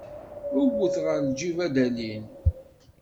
Wwet ɣar lǧib, ad d-alin.